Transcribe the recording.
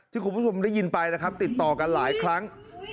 คุณผู้ชมได้ยินไปนะครับติดต่อกันหลายครั้ง